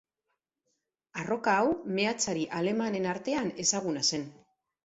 Arroka hau meatzari alemanen artean ezaguna zen.